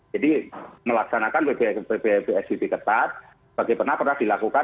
jadi melaksanakan psbb ketat seperti pernah pernah dilakukan oleh dki jakarta pada awal tahun ini